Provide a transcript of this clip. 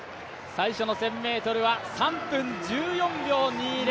最初の１０００ｍは３分１４秒２０。